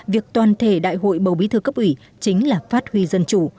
việc toàn thể đại hội bầu bí thư cấp ủy chính là phát huy dân chủ